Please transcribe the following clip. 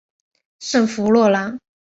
圣弗洛兰。